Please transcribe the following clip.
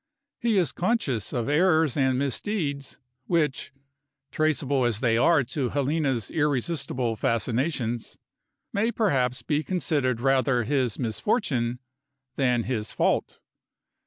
He is conscious of errors and misdeeds, which traceable as they are to Helena's irresistible fascinations may perhaps be considered rather his misfortune than his fault.